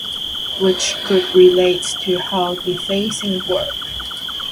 Which could relate to how defacing work.